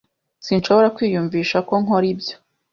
Sinshobora kwiyumvisha ko nkora ibyo.